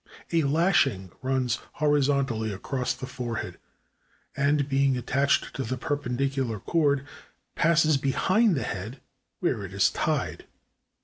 A lashing runs horizontally across the forehead, and being attached to the perpen dicular cord, passes behind the head, where it is tied.